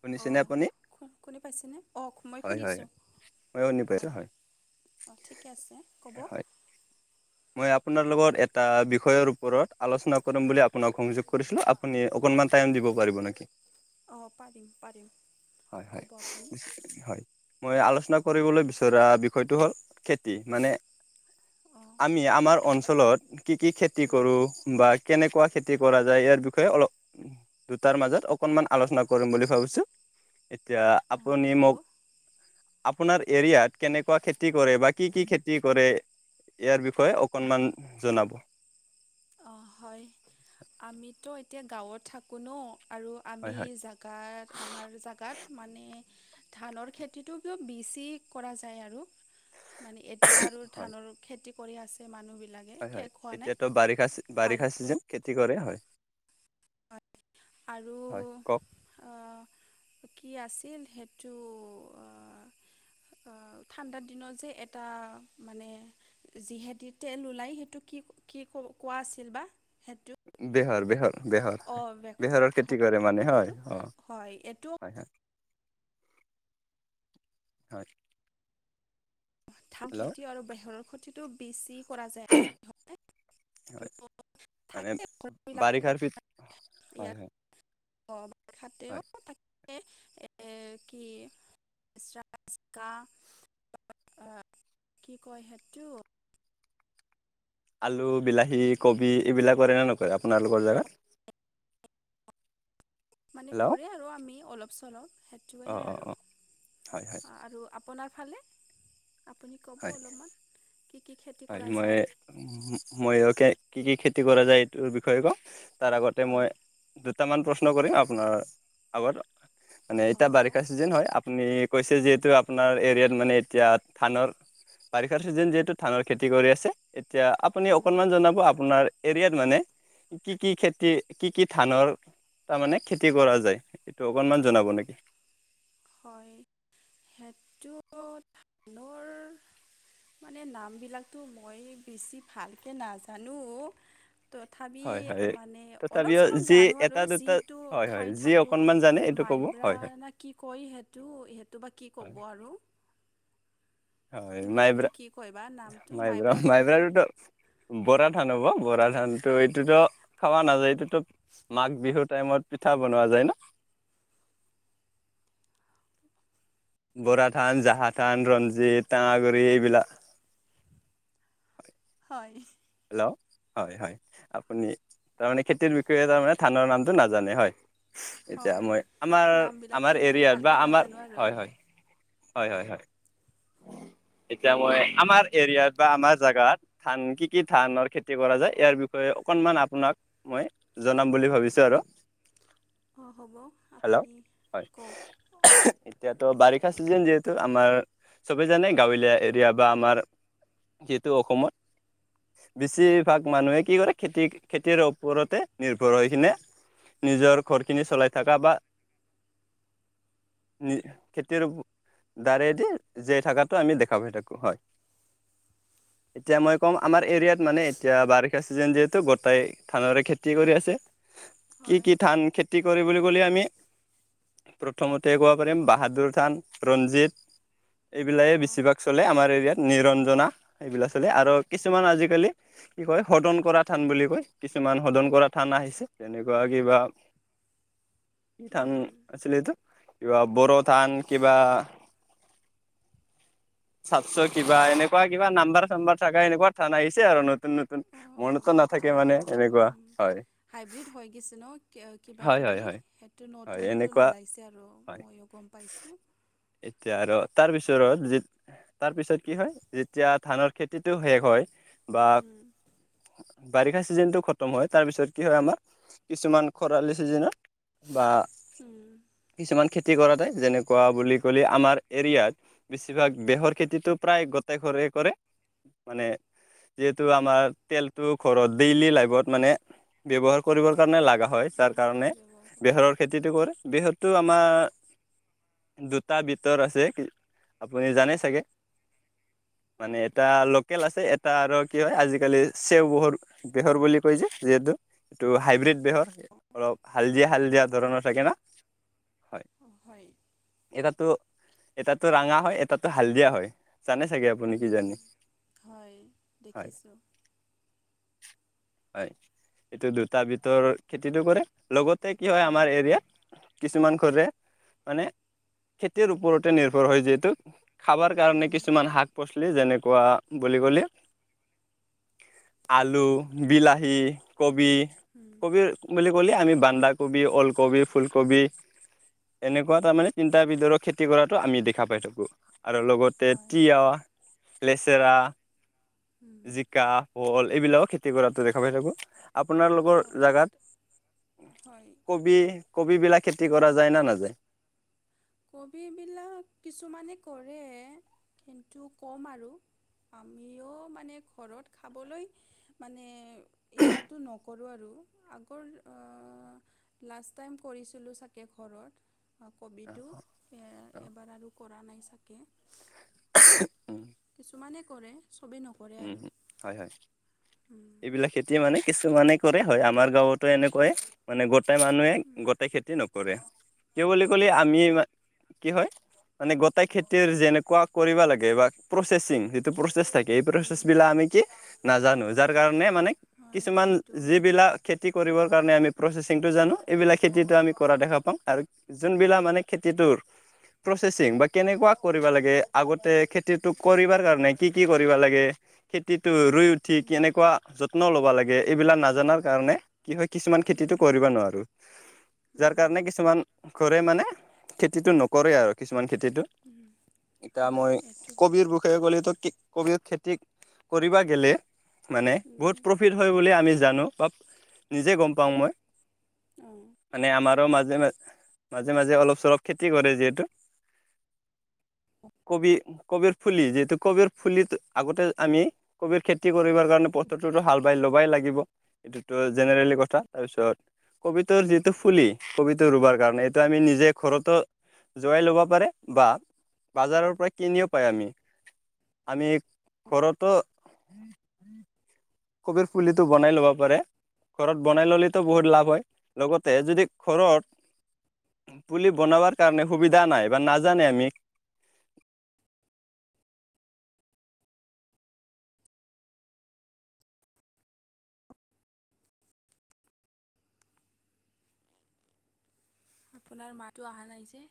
শুনিছেনে অঁ আপুনি? শুনা পাইছেনে? অ মই হয় হয়। শুনিছোঁ মই শুনি পাইছো হয় অ ঠিকে আছে ক'ব। [unintelligible] মই আপোনাৰ লগত এটা বিষয়ৰ ওপৰত আলোচনা কৰি বুলি আপোনাক সনযোগ কৰিছিলো, আপুনি অকনমান টাইম দিব পাৰিব নেকি? অ পাৰিম পাৰিম হয় হয়। ক'ব আপুনি। হয়, মই আলোচনা কৰিবলৈ বিচৰা বিষয়টো হ'ল খেতি, মানে অঁ আমি আমাৰ ভালে অঞ্চলত কি কি খেতি উম, কৰোঁ, বা কেনেকুৱা খেতি কৰা যায় ইয়াৰ বিষয়ে অলপ দুটাৰ মাজত অকনমান আলোচনা কৰিম বুলি ভাবিছো। এতিয়া অঁ আপুনি হ'ব মোক আপোনাৰ এৰিয়াত কেনেকুৱা খেতি কৰে বা কি কি খেতি কৰে ইয়াৰ বিষয়ে অকণমান জনাব। অ হয় আমিতো এতিয়া গাঁৱত থাকো ন আৰু হয় আমি হয় জা গাত আমাৰ জেগাত মানে ধানৰ খেতিটো বেছি কৰা যায় আৰু। মানে এতিয়া আৰু হয় ধানৰ খেতি কৰি আছে মানুহবিলাকে হয় হয় শেষ হোৱা নাই। এতিয়াতো বাৰিষা বাৰিষা আৰু চিজন খেতি কৰে হয়। আৰু হয় কওক কি আছিল সেইটো অ ঠাণ্ডাৰ দিনত যে এটা মানে যিহেদি তেল ওলাই সেইটো কি কি ক কোৱা আছিল বা সেইটো। বেহৰ বেহৰ বেহৰ অঁ বেহাৰৰ খেতি কৰে মানে হয়, অ, হয়, হয়। হয়। ধান হেল্ল' খেতি আৰু বোহৰৰ খতিটো বেছি কৰা যায়। হয় মানে থাকে ঘৰবিলাকত বাৰিষাৰ পিত হয় হয়। অ ভাষাতেও হয় তাকে এ কি [unintelligible] কি কয় সেটো আলু বিলাহী কবি এইবিলাক কৰেনে নকয় আপোনালোকৰ জেগাত। [unintelligible] মানে অ কৰে আৰু আমি অলপ চলপ অ সেইটোহে আৰু। অ হয় হয় ‌ আৰু আপোনাৰ ফালে আপুনি ক'ব অলপমান কি কি ক্ষেতি আৰু মই ময়কে কি কি খেতি কৰা যায় এইটোৰ বিষয়ে কওঁ। তাৰ আগতে হয় মই দুটামান প্ৰশ্ন কৰিম আপোনাৰ আগত। মানে অঁ এতিয়া হ'ব বাৰিষা চিজন হয়, আপুনি কৈছে যিহেতু আপোনাৰ এৰিয়াত মানে এতিয়া ধানৰ বাৰিষাৰ চিজন যিহেতু ধানৰ খেতি কৰি আছে এতিয়া আপুনি উম, অকনমান জনাব আপোনাৰ এৰিয়াত মানে কি কি খেতি কি কি ধানৰ তাৰমানে খেতি কৰা যায় এইটো অকণমান জনাব নেকি? হয় সেইটো ধানৰ মানে নামবিলাকতো মই বেছি ভালকে নাজানো। তথাপি হয় হয় মানে অলপ তথাপিও চলপ যি জানো আৰু এটা দুটা যিটো হয় হয় খাই যি থাকোঁ। অকনমান জানে এইটো ক'ব মাইব্ৰা হয় হয় নে কি কয় সেইটো সেইটো বা কি হয় ক'ব আৰু। হয় এইবিলাকতো মাইব্ৰা কি কয় বা নামটো মাইব্ৰা মাইব্ৰাই কয় নেকি মাইব্ৰা বৰা ধান হ'ব বৰা ধানতো এইটোতো খাৱ নাযায় এইটোতো মাঘ বিহুত টাইমত পিঠা বনোৱা যায় ন। বৰা ধান জাহা থান ৰঞ্জিত টঙাগুৰি এইবিলাক। হয়। হেল্ল' হয় হয়। আপুনি তাৰমানে খেতিৰ বিষয়ে তাৰমানে ধানৰ নামটো নাজানে হয়। এতিয়া হয় মই আমাৰ নামবিলাকতো আমাৰ মই এৰিয়াত বা ভালকৈ আমাৰ, নাজানো আৰু হয় হয় হয় হয় হয়। এতিয়া মই আমাৰ এৰিয়াত বা আমাৰ জোগাত ধান কি কি ধানৰ খেতি কৰা যায় ইয়াৰ বিষয়ে অকনমান আপোনাক মই জনাম বুলি ভাবিছো আৰু। [inaudible] অ হ'ব হেল্ল' আপুনি হয় কওক অ। এতিয়াতো বাৰিষা চিজেন যিহেতু, আমাৰ চবে জানে গাঁৱলীয়া এৰিয়া বা আমাৰ যিহেতু অসমত বেছিভাগ মানুহে কি কৰে, খেতি খেতিৰ ওপৰতে নিৰ্ভৰ হৈ কিনে নিজৰ ঘৰখিনি চলাই থাকা বা নি খেতিৰ দ্বাৰেদি জীয়াই থকাটো আমি দেখা পাই থাকো হয়, এতিয়া মই কম আমাৰ এৰিয়াত মানে এতিয়া বাৰিষা ছিজেন যিহেতু, গোটেই ধানৰে খেতি কৰি আছে। কি হয় কি ধান খেতি কৰি বুলি ক'লে আমি প্ৰথমতে ক'ব পাৰিম, বাহাদুৰ ধান, ৰঞ্জিত এইবিলাই অঁ বেছিভাগ চলে আমাৰ এৰিয়াত, নিৰঞ্জনা এইবিলাক চলে, আৰু কিছুমান আজিকালি কি কয়, সদন কৰা থান বুলি কয়, কিছুমান সদন কৰা থান আহিছে তেনেকুৱা কিবা কি ধান আছিল এইটো, কিবা অঁ বড়ো ধান কিবা চাতছ কিবা এনেকুৱা কিবা নাম্বাৰ চাম্বাৰ থাকা এনেকুৱা থান আহিছে আৰু নতুন নতুন। অ', মনতো নাথাকে এতিয়া মানে আৰু এনেকুৱা হয় হাইব্ৰীড হৈ গৈছে ন কিবা হয় হয় কিবি। হয় সেইটো হয় নতুন নতুন এনেকুৱা ওলাইছে আৰু, হয় ময়ো গম পাইছোঁ। এতিয়া আৰু তাৰ পিছৰত যি তাৰ পিছত কি হয় যেতিয়া ধানৰ খেতিটো শেষ হয় বা উম, বাৰিষা চিজনটো খতম হয় তাৰপিছত কি হয় আমাৰ, কিছুমান খৰালি ছিজেনত বা উম, কিছুমান খেতি কৰাতোই যেনেকুৱা বুলি ক'লে আমাৰ এৰিয়াত বেছিভাগ বেহৰ খেতিতটো প্ৰায় গোটেই ঘৰে কৰে, মানে যিহেতু আমাৰ তেলটো ঘৰত, ‌ডেইলি লাইফত মানে ব্য্ৱহাৰ কৰিবৰ কাৰণে লগা হয়, ‌ যাৰ অঁ কাৰণে ব্যৱহাৰ কৰোঁ বেহৰৰ খেতিতটো কৰে বেহুৰ টো আমাৰ দুটা ভিতৰ আছে। আপুনি জানে চাগে। মানে এটা লোকেল আছে এটা আৰু কি হয় আজিকালি চেও বহুত বেহৰ বুলি কৈছে যিহেতু, এইটো হাইব্ৰীড বেহৰ। অঁ অলপ হালধিয়া অঁ হালধিয়া ধৰণৰ থাকে ন, হয়। অ' হয়। এটাতো এটাতো ৰঙা হয়, এটো হালদিয়া হয়, জানে চাগে আ উম হয় হয় দেখিছোঁ। হয়। এইটো দুটা ভিতৰ খেতিটো কৰে, লগতে কি হয় উম, আমাৰ এৰিয়াাত কিছুমান ঘৰে, মানে খেতিৰ ওপৰতে নিৰ্ভৰ হয় যিহেতু। খাবৰ কাৰণে উম, কিছুমান শাক পাচলি যেনেকুৱা বুলি ক'লে আলু, বিলাহী, কবি, উম, কবিৰ বুলি ক'লে আমি বন্ধাকবি, ওলকবি, ‌ফুলকবি এনেকুৱা তাৰমানে তিনিটাৰিতৰৰ খেতি কৰাতো আমি দেখা পাই থাকো। আৰু লগতে হয় তিয়হ, লেচেৰা, উম, জিকা শল, এইবিলাকো খেতি কৰাত দেখা পাই থাকো, আপোনালোকৰ হয় জেগাত হয়। কবি, কবি বিলাক খেতি কৰা যায় নে নাযায়? কবিবিলাক কিছুমানে কৰে, কিন্তু কম আৰু। আমিও মানে ঘৰত খাবলৈ, মানে এইবিলাকো নক কৰো আৰু আগৰ লাষ্ট টাইম কৰিছিলো চাগে ঘৰত। অ কবিটো এবাৰ আৰু কৰা নাই চাগে। [unintelligible] কিছুমানে কৰে। চবেই নকৰে উম, আৰু। হয় হয়। উম। এইবিলাক খেতি মানে কিছুমানে কৰে হয়, আমাৰ গাঁৱতো এনেকুৱাইে। মানে গোটেই মানুহে, গোটেই খেতি নকৰে, কি বুলি কলে আমি কি হয়, মানে গোটেই খেতিৰ যেনেকুৱা কৰিব লাগে বা প্ৰচেচিং, ‌ যিটো প্ৰচেছ থাকে এই প্ৰচেছ বিলাক আমি কি নাজানো, যাৰ কাৰণে মানে হয় কিছুমান সেইটোও হয় যিবিলাক খেতি কৰিব জানে, আমি প্ৰচেচিংটো জানো। এইবিলাক খেতিটো আমি কৰা দেখা পাওঁ আৰু যোনবিলাক মানে খেতিটোৰ প্ৰচেচিং বা কেনেকুৱা কৰিব লাগে আগতে খেতিটো কৰিবাৰ কাৰণে কি কি কৰিবা লাগে খেতিটো ৰুই উঠি কেনেকুৱা যত্ন ল'বা লাগে এইবিলাক নাজানাৰ কাৰণে কি হয় কিছুমান খেতিটো কৰিব নোৱাৰো। যাৰ কাৰণে কিছুমান ঘৰে মানে খেতিটো নকৰে আৰু কিছুমান খেতিটো। ইতা হয় মই এইটো হয় কবিৰ খে গলে তো কি কবি খেতি কৰিবা গে'লে মানে বহুত প্ৰফিট হয় বুলি আমি জানো বা নিজে গম পাও মই। অঁ মানে আমাৰো মাজে-মাজে মাজে-মাজে অলপ-চলপ খেতি কৰে যিহেতু। কবি কবিৰ ফুলি যিহেতু কবিৰ ফুলিটো আগতে আমি কবিৰ খেতি কৰিবাৰ কাৰণে [unintelligible] টোটো হাল বাই ল'বাই লাগিব। এইটোতো জেনেৰেলি কথা। তাৰপিছত কবিটোৰ যিটো ফুলি কবিটো ৰুবাৰ কাৰণে এইটো আমি নিজে ঘৰতো জোৱাই ল'ব পাৰে বা বাজাৰৰ পৰা কিনিও পাই আমি। আমি ঘৰতো কবিৰ ফুলিটো বনাই ল'ব পাৰে। ঘৰত বনাই ল'লেতো বহুত লাভ হয়। লগতে যদি ঘৰত পুলি বনাবাৰ কাৰণে সুবিধা নাই বা নাজানে আমি আপোনাৰ মাতো আহা নাই যে।